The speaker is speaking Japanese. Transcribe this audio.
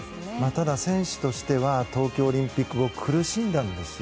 ただ、選手としては東京オリンピック後苦しんだんです。